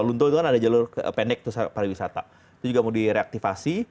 itu kan ada jalur pendek para wisata itu juga mau direaktivasi